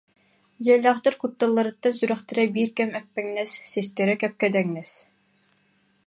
Дьиэлээхтэр кутталларыттан сүрэхтэрэ биир кэм эппэҥнэс, систэрэ кэп-кэдэҥнэс